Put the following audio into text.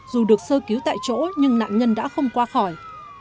dù được sơ cứu tại chỗ nhưng nạn nhân đã không qua khỏi